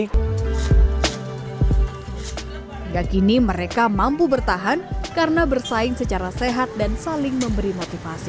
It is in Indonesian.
hingga kini mereka mampu bertahan karena bersaing secara sehat dan saling memberi motivasi